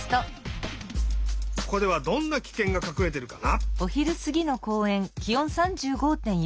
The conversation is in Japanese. ここではどんなキケンがかくれてるかな？